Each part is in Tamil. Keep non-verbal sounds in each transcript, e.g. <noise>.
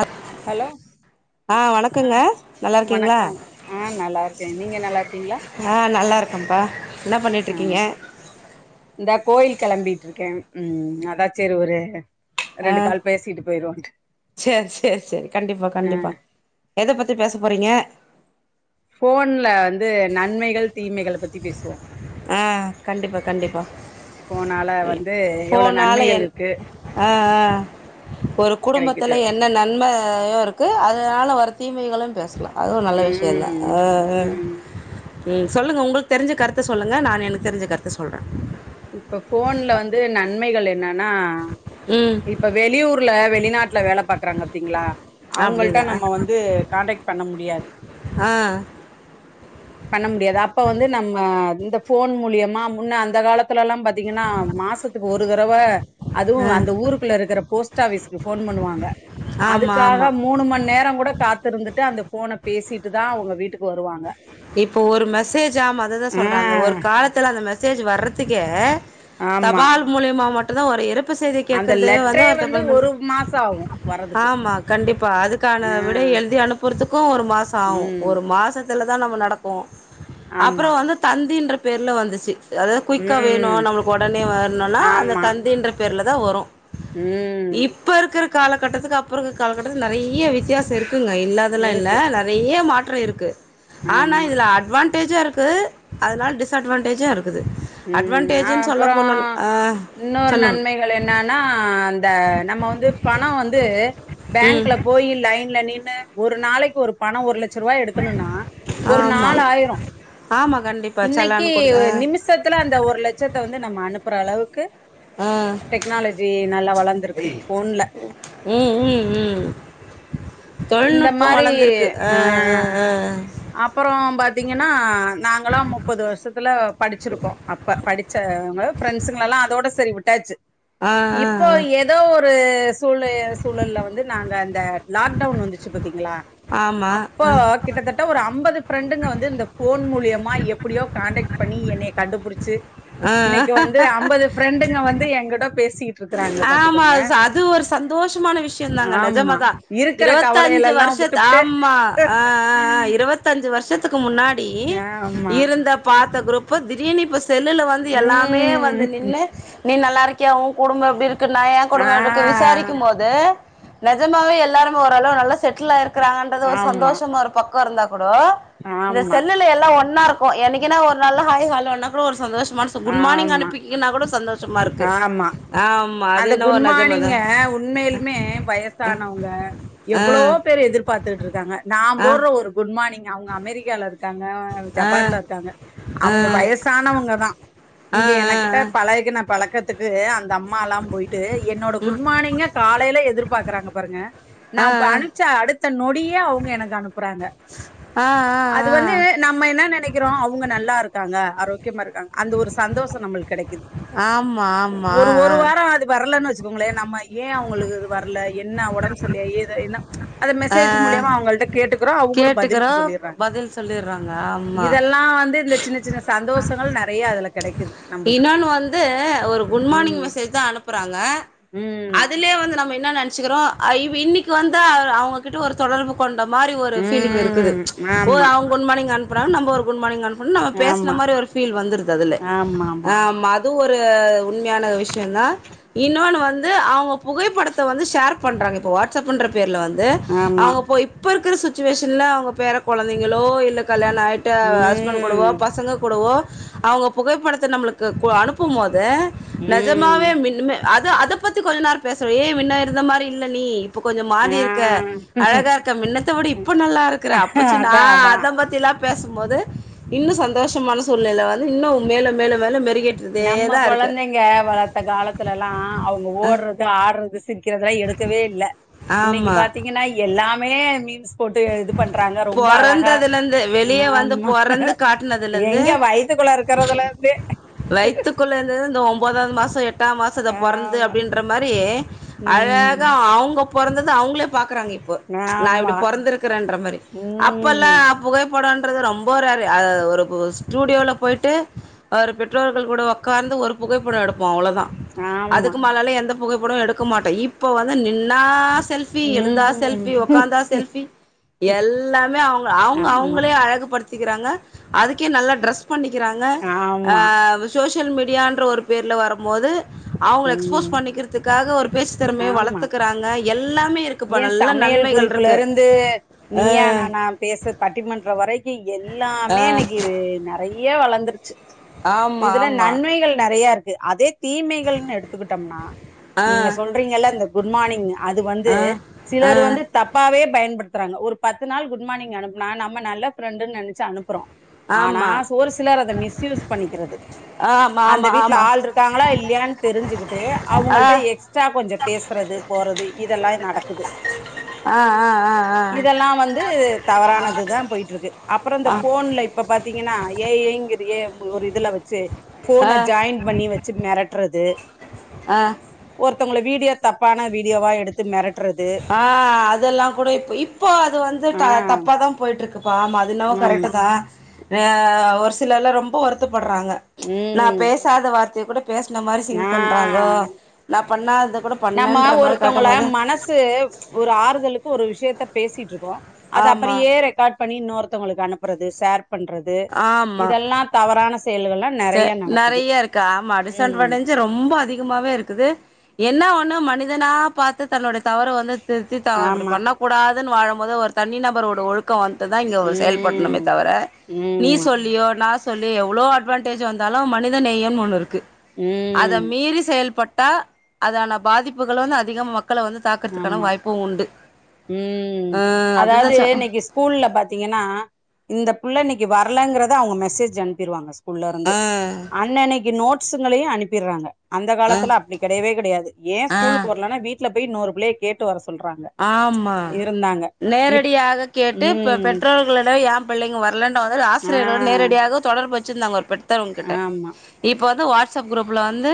அப் ஹலோ ஆஹ் ஆ வணக்கங்க நல்லா இருக்கீங்களா வணக்கம் ஆ நல்லா இருக்கே நீங்க நல்லா இருக்கீங்களா ஆஹ் நல்லா இருக்கேன்ப்பா என்ன பண்ணிட்டு ஆ இருக்கீங்க இந்தா கோயில் கிளம்பிட்டு இருக்கேன் உம் அதா செரி ஒரு ரெண்டு ஆஹ் கால் பேசிட்டு போயிருவோன்ட்டு செரி செரி செரி கண்டிப்பா ஆ கண்டிப்பா எத பத்தி பேச போறீங்க போன்ல வந்து நன்மைகள் தீமைகளபத்தி பேசுவோம் ஆஹ் கண்டிப்பா கண்டிப்பா ஃபோனால வந்து எவ்ளோ போனால நன்மைகள் என் இருக்கு ஆஹ் ஆஹ் அ ஒரு கெடைக்குது குடும்பத்துல என்ன நன்ம யோ இருக் க்கு அதனால வர தீமைகளும் பேசுலாம் அதுவும் நல்ல விஷ்யம்தா ம் ஆஹ் ஆஹ் ம் உம் சொல்லுங்க உங்ளுக்கு தெரிஞ்ச கருத்த சொல்லுங்க நா எனக்கு தெரிஞ்ச கருத்த சொல்றே இப்ப ஃபோன்ல வந்து நன்மைகள் என்னன்னா ம் இப்ப வெளியூர்ல வெளிநாட்டுல வேல பாக்குறாங்க பாத்தீங்களா அவ்ங்கள்ட்ட அப்டிதா நம்ம வந்து கான்டக்ட் பண்ணமுடியாது ஆ பண்ணமுடியாது அப்ப வந்து நம்ம இந்த ஃபோன் மூலியமா முன்ன அந்த காலத் துலல்லாம் பாத்தீங்கன்னா மாசத்துக்கு ஒரு தரவ அதுவும் ஆ அந்த ஊருக்குள்ள இருக்கிற போஸ் டஃபீஸ்க்கு ஃபோன் பண்ணுவாங்க ஆமா ஆமா அதுக்காக மூனுமன் நேரகூட காத் துதிருந்துட்டு அந்த ஃபோன பேசிட்டுதா அவ்ங்க வீட்டுக்கு வருவாங்க இப்போ ஒரு மெசேஜ் ஆமா அததா ஆ சொல்றேன் அந்த ஒரு காலத்துல அந்த மெசே சேஜ் வர்றதுக்கே ஆமா தபால் மூலியமா மட் <unintelligible> ஒரு இருப் <unintelligible> செய்தி அந்த கேக்றதே லெட்டரே வந்து ஒரு <unintelligible> மாசோ ஆகு வர்றதுக்கு ஆமா கண்டிப்பா அதுக்கான ஆ விடய எழுதி அனுப்புறதுக்கு ஒரு மாசஆவு ம் ஒரு மாசத்துல தான் நம்ம நடக்கு அப்றோ ஆமா வந்து தந்தின்ற பேர்ல வந்துச்சு அதாவது குயிக்கா வேணு ம் நம்மளுக்கு ஒடனே வேணுனா அந்த ஆமா தந்தின்ற பேர்ல தா வரு ம் இப்ப இருக்றக் காலகட்டத்துக்கு அப்றோருக் காலகட்டத்து நெறைய வித்தியாசோ இருக் க்குங்க இல்லாதெல்லா இல்ல இருக்கு நெறைய மாற் ட்ரே இருக்கு ஆனா ஆமா இதுல அட்வான் டேஜூருக்கு அதனால டிஸ்அட்வான்டேஜூ இருக்கு ம் அ அப்பறோ ஆ இன்னொரு சொல்லுங் நன்மைகள் என்னானா அந் த நம்ம வந்து பணோ வந்து ம் பேங்க்ல போய் லைன்ல நின் <unintelligible> ஒரு நாளைக்கு ஒரு பண ஒரு லட் லட்ச ரூவா எடுக்கணுனா ஒரு ஆமா நாலாயிரோ ஆமா கண்டிப்பா இன்னைக்கு செலான் குடுத் ஒ ஆ நிமிஷ் மொதல்ல அந்த ஒரு லட்சத்த வந்து நம்ம அனுப்புற அளவுக்கு ம் டெக்னாலஜி நல்லா வளர்ந்துருக்கு போன்ல உம் உம் உம் இந்த மாரி ஆ ஆ ஆ அப்பறோ பாத்தீங்கன்னா நாங்களா முப்பது வருஷத்துல படிச்சிருக்கோ அப்ப படிச் சாங்க ஃப்ரெண்ட்ஸுங்களா அதோட சரி விட் ட்டாச்சு ஆ இப்போ ஆ ஏதோ ஒரு ஷ் ஸ்கூலு சூழல வந்து நாங்க அந்த லாக் லாக்டவுன் வந்துச்சு பாத்தீங்களா ஆமா அப்ப ஆ கிட்டத்தட்ட ஒரு அம்பது ஃப்ரெண்டுங்க வந்து இந்த ஃபோன் மூலியமா எப்டியோ காண்டக்ட் பண்ணி என்னய கண்டுபிடிச்சு இன்னக்கு வந்து ஆ ஐம்பது ஃரெண்டுங்க வந்து எங்கிட்ட பேசிட் ஆமா அத் அது ஒரு சந்தோஷமான விஷயதாங்க ஆமா நெஜமதா இருக்கற கவலைகள் இருவத்தஞ்சு எல்லா வருஷத்து விட்டுபுட்டு ஆமா ஆ ஆஆ இருவத்தஞ்சு வருஷத்துக்கு முன்னாடி ஆமா இருந்த பாத் இத்த குரூப்பு பிரியாணி <unintelligible> செல்லுல வந்து எல்லாமே வந்து ம் நின்னு நீ நல்லா இருக் கியா உன் குடும்பம் எப்டி இருக் கு நா எ ஆ குடும்பம் இருக்கு விசாரிக்கும் போது நெஜமாவே எல்லாரும் அங்க ஓரளவு நல்லா செட்டில் ஆயிருக் கிறாங்கன்றது ஒரு ஆமா சந்தோஷம இருக்கும் <unintelligible> கூடோ இந்த ஆமா செல்லுல எல்லாம் ஒன் னா ருக்கும் என்னைக்குனா ஒரு நாள் ஹாய் ஹலோன்னா கூட ஒரு சந்தோஷம் மனசு குன் மார்னிங் ஆமா அனுப்பிக்குனா கூட சந்தோஷமா இருக்கு ஆமா ஆமா அது அந்த என்னவோ குட் நெஜமதா மார்னிங்க உண்மையிலுமே வயசானவங்க ஆ எவ்வளோ பேர் எதிர்பார்த்துகிட்டு இருக்காங்க நா ஆ போடுற ஒரு குட் குட் மார்னிங் அவங்க அமெரிக்கால இருந் இருக்காங்க ஆ ஜப்பான்ல இருக்காங்க ஆ அவங்க வயசானவங்க தா ஆ ஆ இங்க எனகிட்ட பழகுன பழக்கத்து துக்கு அந்த அம்மா ம்மாலாம் போய்ட்டு என்னோட குட் மானிங்க காலேல எதிர்பாக் குக்கறாங்க பாருங்க நா ஆ ஆ இப்போ அனுப்ச்சா அடுத் டுத்த நொடியே அவுங்க எனக்கு அனுப்புறாங்க ஆ ஆ அது வந்து நம்ம என்ன நெனைக் கிறோம் அவங்க நல்லா இருக்காங்க ஆரோக்கியமா இருக்காங்க அந்த ஒரு சந்தோஷம் நம்மளுக்கு கெடைக்குது ஆமா ஆமா ஒரு அஹ் அஹ் ஒரு வாரம் அது வரலனு வச்சிக் கோங்களேன் நம்ம ஏ அவங்களுக்கு இது வரல என்ன உடம்பு சரில்லயா ஏது என்ன ச் அந்த ஆ ஆ மெசேஜ் மூல்யமா அவங்கள்ட கேட்டு றோ அவங்களும் கேட்டுக்கறோ பதிலுக்கு சொல்லிர்றாங்க பதில் சொல்லிர்றாங்க ஆமா இதெல்லா வந்து இந்த சின்ன சின்ன சந்தோஷம் கள் நிறையா அதுல கெடைக்குது நம்மளுக்கு இனொன்னு வந்து ஒரு குட் மார்னிங் ம் மெசேஜ் தா அனுப்புறாங்க ம் அதுலயே வந்து நம்ம என்ன நெனச்சுக்கிறோம் இன்னைக்கு வந்து அவங்ககிட்ட ஒரு தொடர்பு கொண் ட மாரி ஒரு பீலிங் இருக்குது ம் ச் ஒரு ஆமா அவங்க குட் மாணிங் அனுப்ப னா நம் ஒரு குட் மானிங் அனுப் நம்ம பேசன ஆமா மாதிரி ஒரு ஃபீல் வந்துருது அதுலே ஆமா ஆ ஆமா மது ஒரு <unintelligible> உண்மையான விஷயதா இன்னொன்னு வந் இது அவுங் இப் புகைப்படத்த வந்து ஷேர் பண்றாங்க இப்ப வாட்ஸ்அப் பண்றத் பேர்ல வந்து ஆமா அவுங்க போய் இப்பருக்கு இருக்கிற சுச்சுவேஷன்ல அவுங்க பேர குழந்தைங்களோ யில்ல கல்யாணோ ஆயிட்டா ஹஸ்பண்ட் கூடவோ ம் பசங்க கூடவோ அவுங்க புகைப்படத்த நம்பளுக்கு அனுப்பும்போது த ம் நெஜமாவே மின்னுமே அது அத பத்தி கொஞ்சோ நேரோ பேசுறோ ஏன் மின்னருந்த மாதிரி இல்ல நீ கொஞ்சோ மாறி ஆ இருக்க அழகா இருக்க மின்னத்த விட இப்ப நல்லா இருக்ற அப்பசின்ன நா அதா அதா அத பத்திலாம் பேசும்போது இன்னோ சந்தோஷமான சூழ்நிலைவந்து இன்னும் மேலும் மேலும் <unintelligible> நம்ம இருக்கு கொழந்தைங்க வளத்த காலத்துலலா அவுங்க ஓடுறது ஆடுறது இருக்கிறதெல்லா எடுக்கவே இல்ல இன்னக்கு ஆமா பாத்தீங்கன்னா எல்லாமே மீன்ஸ் போட்டு இது பண்றாங்க ரொம்ப அழகா பொறந்ததுல இருந்து வெளிய வந்து ஆமா பொறந்து காட்டுனதுல இருந்து எங்க வயித்துகுள்ள இருக்கறதலிருந்தே வயித்துகுள்ளேருந்தது இந்த ஒன்பதாவது மாசோ எட்டாம் மாசோ இத பொறந்து ஆமா அப்படின்ற மாரி ம் அழகா அவுங் பொறந்தது அவுங்ளே பார்க்ங்றாங்க இப்ப நான் ஆமா எப்டிப் பொறந்திருக்ககேன்ற மாரி அப்பலா ம் புகைப்படம்ன் ரொம்ப ரேரு ஆ ஒரு பூ ஸ்டூடியோல போயிட்டு அவரு பெற்றோர்கள் கூட ஒக்காந்து ஒரு புகைப்படம் எடுப் அவ்வளோதா ஆமா அதுக்கு மேலால எந்தப் புகைப்படம் எடுக்க மாட்டோ இப்ப வந்து நின்னா செல்பி எழுந்தா ம் செல்பி ஒக்காந்தா செல்ஃபி எல்லாமே அவுங்க அவுங்க ஆமா அவுங்ளே அழகு படுத்திக்றாங்க அதுக்கே நல்ல டிரெஸ் பண்ணிக்கிறாங்க அ ஆமா சோசியல் சோஷியல் மீடியான்ற ஒரு பேர்ல வரும்போது அவுங்க எக்ஸ்போஸ் ம் பண்ணிக்கிறதுக்காக ஒரு பேச்சு திறமைய ஆமா வளத்துக்றாங்க எல் எல்லாமே இருக்குப்பா நல்ல நன்மைகள் இருக்கு து நீயா ஆ நானா பேச பட்டிமன்ற வரைக்கு எல்லாமே இன்னைக்கு நறைய வளந்துருச்சு ஆமா இதுல ஆமா நன்மைகள் நறையாருக்கு கு அதே தீமைகள்னு எடுத்துக்குட்டம்னா ஆ நீங்க சொல்றீங்கல இந்த குட் மார்னிங் அது வந்து ஆ ஆ சிலர் வந்து தப்பாவே பயன்படுத்த புறாங்க ஒரு பத்து நாள் குட் மார்னிங்னு அனுப்னா நம்ம நல்ல ஃபிரெண்டுனு நெனைச்சு அனுப்புறோ ஆனா ஆமா சோ ரு சிலர் அத மிஸ்யூஸ் பண்ணிக்கிறது ஆமா அந்த ஆமா வீட்ல ஆமா ஆள்ருக்காங்களா இல்லையான்னு தெரிஞ்சுக்கிட்டு அவங்கள்ட ஆ எக்ஸ்ட்ரா கொஞ்சொ பேசுறது போறது இதெல்லா நடக்குது ஆ ஆ ஆ இதெல்லா வந்து தவறானதுதான் போயிட்ருக்கு அப்பறம் இந்த ஆ போன்ல இப்ப பாத்தீங்கன்னா <unintelligible> ஏ ஒரு இதுல வச்சு ஆ ஆ போன ஜாயிண்ட் பண்ணி வச்சு மெரட் டறது ஆ ந்தங்கள வீடியோ தப்பான வீடியோவா எடுத் ஆ அதெல்லா கூட இப் இப்போ அது வந்து ஆ தப்பாதா போயிட்ருக்கு பா மது என்னவோ கரெக்ட்டு ஆமா தா ஆ ஒரு சிலர்லா ரொம்ப வருத் பட்றாங்க நா ம் பேசாத வார் <unintelligible> பேஸ்ன மாரி சிங் ஆ பண்றாங்கோ நா பண்ணாத நம்ம ஒருத்தவங்கள மனசு ஒரு ஆறுதலுக்கு ஒரு விஷயத்த பேசிட்ருக்கோ அத ஆமா அப்பரியே ரெகார்ட் பண்ணி இன்னொருத்தவங்களுக்கு அனுப்புறது சேர் பண்றது ஆமா இதெல்லா தவறான செயல்கள்லா ச நெறைய நடக்குது நறைய இருக்கு ஆமா டிஸ் ம் அட்வான்டெஜு ரொம்ப அதிகமாவே இருக்குது என்ன ஒண்ணு மனிதனா பாத்து தன்னோட தவற வந்து திருத்தி தா இப்டி ஆமா பண்ண கூடாது <unintelligible> வாழும்போது ஒரு தனி நபரோட ஒழுக்கொ வந்து துதா இங்க ஒரு செயல்பட்ணமே ம் தவிர ம் நீ ஆமா சொல்லியோ நா சொ சொல்லி எவ்ளோ ஆ அட்வான்டேஜ் வந்தாலு மனிதநேயம்னு ஒன்னு இருக்கு அத ம் மீறி செயல்பட் ட்டா அதான பாதிப்புகளு வந்து அதிக ம ஆமா, ம், ஆ அதுதா அதாவது சொ இன்னைக்கி ஸ்கூல்ல பாத்தீங்கன்னா இந்த புள்ள இன்னைக்கி வரலங்கறத அவங்க மெசேஜ் அனுப்பிடுவாங்க ஸ்கூல்ல இருந்து ஆ அன்னன்னிக்கி நோட் ஸ்ங்களையு அனுப்பிட்றாங்க அந்த ஆ காலத்துல அப்டி கடையவே கடையாது ஏ ஸ்கூல்க்கு வரலன்னா வீட்ல போய் இன்னொரு புள்ளைய கேட்டு வர சொ ஆம்மா இப் நேரடியாக கேட்டு பெ ம் பெற்றோர்களிடம் ஏ பிள்ளைங்க வரலன் அவர்கள் ஆ ஆசிரியர்கள் நேரடியாக தொடர்பற் பெற்றிருந்தாங்க ஒரு பெட் பெத்தவங்க கிட்ட ஆமா இப் இப்போ வந்து வாட்ஸ்அப் குரூப்ல வந்து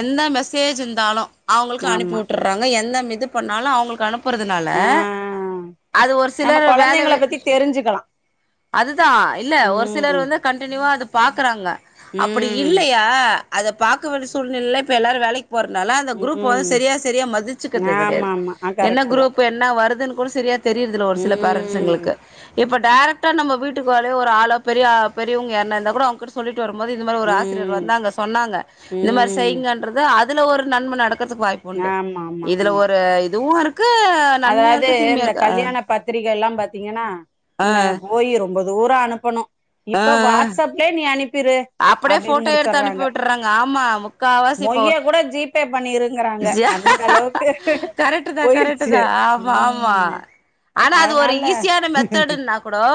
எந்த மெசேஜ் இருந்தாலும் அவுங்களுக்கு அனுப்பி ஆமா வுட்டுறாங்க எந்த எது பண்ணாலும் அவுங்களுக்கு கணப் ப்புறதுனால ஆ அது ஒரு சில நம்ம வேல கொழந்தைங்கள வெ பத்தி தெரிஞ்சுக்கலா அது இதான் இல்ல ஒரு சிலர் ம் வந்து கண்டினியுவா அது பாக்குறாங்க அப்பிடி ம் இல்லையா அது பாக்கு வேண்டிய சூழ்நிலைல இப்ப எல்லாரு வேலைக்கு போறதுனால அந்த குரூப்ப வந்து ம் சரியா சரியா மதிச்சுக்கிறது ஆமா கெடையாது ஆமா ஆ என்ன கரெக்ட்டு தா குரூப் என்ன வருதுன்னு கூட செரியா தெரியறதுல்ல ஒரு சில ம் பேரன்ட்ஸ்ங்களுக்கு இப்ப டேரக்ட்டா நம்ம வீட்டுக்கு வழியா ஒரு ஆளோ பெரிய பெரியவங்க யாருன்னா இருந்த கூட அவங்ககிட்ட சொல்லிட் ட்டு வரும்போது இந்த மாரி ஒரு ஆசிரியர் ம் வந்தாங்க சொன்னாங்க இந்த மாரி ம் செய்யுங்கன்றது அது அதுல ஒரு நன்ம நடக் க்றதுக்கு வாய்ப்பு உண்டு, இதுல ஒரு இதுவு இருக் அதாவ்து இந்த கல்யாண பத்திரிக்கைலா பாத் த்தீங்கனா முன்ன போயி ரொம்ப தூர அனுப்பணு இப்ப ஆஹ் ஆஹ் வாட்ஸ்அப்லே நீ அனுப்பிரு அப்டியே அப்டின்னு ஃபோட்டோ எடுத்து முடிச்சர்றாங்க அனுப்பிவிட்றாங்க ஆமா முக்காவாசி இப்போ பண்ணிருங்றாங்க ஜா அந்த அளவுக்கு கரெக்ட் தான் கரெக்ட் போயிருச்சு தான் ஆமா ஆமா ம் ஆனா அது ஒரு அதனால ஈஸியான மெத்தடுன்னா கூடோ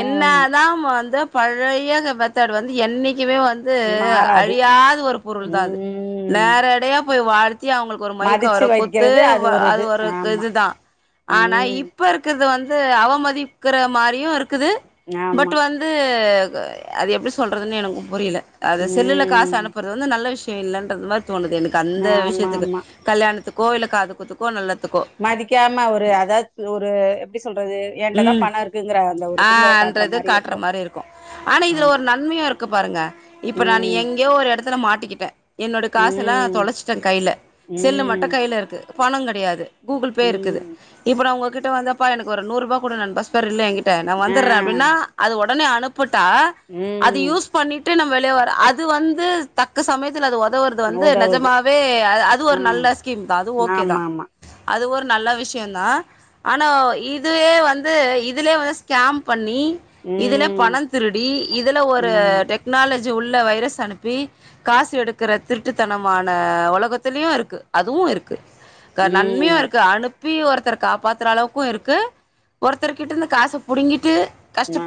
ஆமா என்னாதா மொ அந்த பழைய்ய ஹ மெத்தர்ட் வந்து என்னைக் கிமே வந்து மாறாது அழியாது ஒரு பொருள் தா அது ம் நேரடையாப் <unintelligible> தி அவ்ங்களுக்கு ஒரு மய்க்க மதிச்சு வர்ற கொர்த்து வைக்கிறது வ ஒரு அது இது ஒருக்கு ஆமா இதுதா ஆனா ம் இப்ப இருக்கிறது வந் து அவமதிக்குற மாரியு இருக் க்குது பட் ஆமா வந்து அது எப்டி சொல்றதுனு எனக்கு புரியல அது செல்லுல காசு ம் அனுப்புறது வந்து நல்ல விஷ் ய இல்லன்றது மாரி தோணுது என தந்த ஆமா விஷ்யத்துக்கு ஆமா கல்யாணத்துக் கோவில்ல காது குத்துக்கு நல்லது மதிக்காம ஒரு அதாவ்த்தி ஒரு சொல்றது என்டதான் உம் பணம் இருக்குங்கிற அந்த ஒரு திமுற ஆஹ் அந்ற காட்டுற இது காட்ற இருக்கும் மாரி இருக்கு ஆனா இதுல ஆமா ஒரு நன்மையு இருக்கு பாருங்க இப்ப நானு ம் எங்யோ ஒரு எடத்துல மாட்டிக்கிட்டே என்னோட காசெல்லா ம் தொலச்ட்டே கைல செல்லு மட்டு ம் கைல இருக்கு பணங் கெடையாது கூகுள் பே இருக்குது ம் இப்ப நா உங்ககிட் ட்ட வந்தப்பா எனக்கு ஒரு நூறுபா குடு நான் பஸ் ஃபேர் இல்ல எங்கிட்ட நா ஆ வந்துற்றே அப்டின்னா அது ஒ ஒட்னே அனுப்பிடு தா அது ம் யூஸ் பண்ணிட் டு நம்ம வெளிய வர அது வந்து தக்க சமயத் துல அது ஒதவுறது வந்து உதவுது நெஜமாவே அ அது ஆ ஒரு நல்ல ஸ்கீம் தா அது ஓகே தா ஆமாமா அது ஒரு நல்ல விஷ்யோ தா ஆனா இதுவே வந் ந்து இதுலே வந்து ஸ்கேம் பண்ணி இதுல ம் பண திருடி இதுல ஒரு ஆமா டெக்னாலஜ் ஜி உள்ள வைரஸ் அனுப்பி காசு எடுக்குற திருட்டுத்தனமான ஒலகத்திலயு இருக்கு அதுவு இருக்கு க நன்மையா ம் இருக்கு அனுப் ப்பி ஒருத்தர காப்பாத்துற அளவுக்கூ இருக்கு ஒருத்தர்கிட்டருந்து காச புடுங்கிட்டு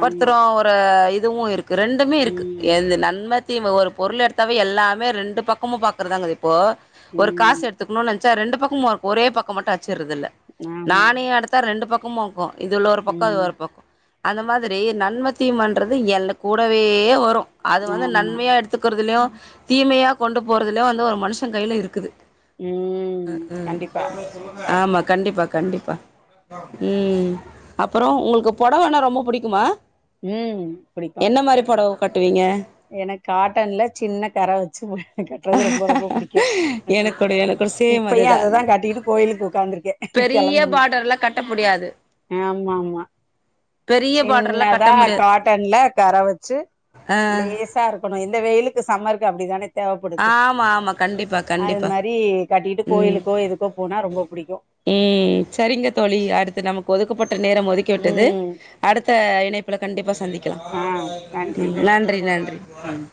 ஆமா அவர இது அதுவு இருக் கு ரெண்டுமே இருக்கு ம் எந்த நன்ம தீம் ஒரு பொருள் எடுத்தாவே எல்லாமே ரெண்டு பக்கமும் பாக்ரதாங்குது போ ஒரு காசு ம் எடுத்துக்கணு நென சா ரெண்டு பக்கமும் இருக்கு ஒரே பக்கம் மட்டும் ஆச்சு கிறதில்ல ஆமா நானே அடுத்த ரெண்டு பக் க்குமோ இது உள்ள ஒரு பக்கோ அது ம் ஒரு பக்கோ அந்த மாதிரி நன்ம தீமன்றது எந்த கூடவே வரூ அது வந்து ஆமா நன்மையா எடுத்துக்கறுதலயு தீமையா கொண்டு போறதுல வந்து ஒரு மனுஷன் கையில இருக்குது ம் கண்டிப்பா ம்ஹும் ஆமா கண்டிப்பா கண்டிப்பா ம் அப்புறோ உங்களுக்கு பொடவன்னா ரொம்ப புடிக்குமா ம் அப்படித்தா என்ன மாரி பொடவ கட்டுவீங்க எனக்கு காட்டன்ல சின்ன கர வச்சு கட்டறது ரொம்ப ரொம்ப புடிக்கு ம்ஹும் எனக்கு கூட எனக்கு கூட சேம் இப்பயு அதேதா அததா கட்டிகிட்டு கோயிலுக்கு உக்காந்துருக்கே பெரிய கெளம்பனு பார்டர்லா கட்ட முடியாது ஆமா ஆமா பெரிய பார்டர்லா கட்ட சின்னதா முடியாது காட்டன்ல கர வச்சு ஆ லேசா இருக்கணு இந்த வெயிலுக்கு சம்மருக்கு அப்படிதானே ஆமா ஆமா கண்டிப்பா கண்டிப்பா மாரி கட்டிட்டு ம் கோயிலுக்கோ எதுக்கோ போனா ரொம்ப புடிக்கு ம் சரிங்க தோழி அடுத்து நமக் ஒதுக்கப்ப ட்ட நேரம் ஒதுக்கிவிட்டது ம் அடுத்த இணைப்புள கண்டிப்பா சந்தி கலா ஆ நன்றி நன்றி ம்